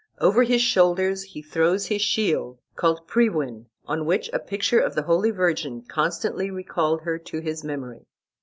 Over his shoulders he throws his shield called Priwen, on which a picture of the Holy Virgin constantly recalled her to his memory.